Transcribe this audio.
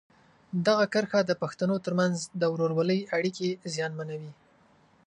دغه کرښه د پښتنو ترمنځ د ورورولۍ اړیکې زیانمنوي.